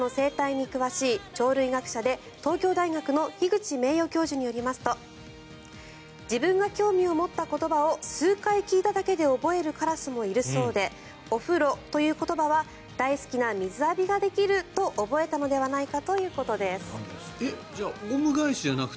鳥類学者で東京大学の樋口名誉教授によりますと自分が興味を持った言葉を数回聞いただけで覚えるカラスもいるそうでお風呂という言葉は大好きな水浴びができると覚えたのではないかということです。